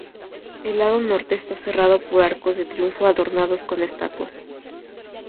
El lado norte está cerrado por arcos de triunfo adornados con estatuas.